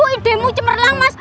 ide mu cemerlang mas